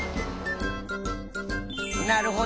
なるほど。